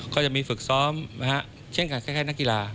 ก็จะมีฝึกซ้อมเช่นกันคล้ายนักกีฬา